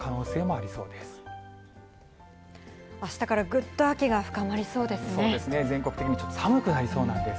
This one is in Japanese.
あしたからぐっと秋が深まりそうですね、全国的に寒くなりそうなんです。